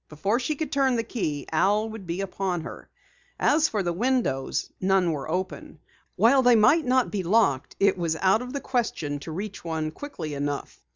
Before she could turn the key, Al would be upon her. As for the windows, none were open. While they might not be locked, it was out of the question to reach one quickly enough.